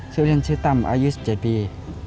ชื่อเรื่องชื่อตำอายุ๑๗ปี